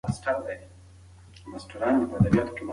دا نوی پارک د ماشومانو د ساتیرۍ او تفریح لپاره جوړ شوی دی.